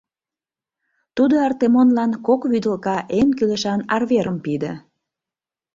Тудо Артемонлан кок вӱдылка эн кӱлешан арверым пиде.